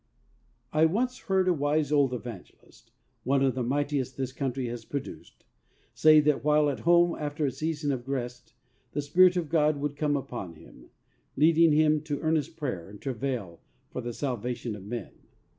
I once heard a wise old evangelist, one of the mightiest this country has produced, say that while at home after a season of rest, the Spirit of God would come upon him, leading him to earnest prayer and travail for the salvation of men.